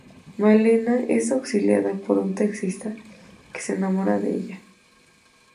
Malena es auxiliada por un taxista que se enamora de ella.